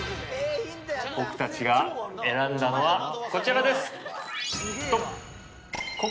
僕たちが選んだのはこちらです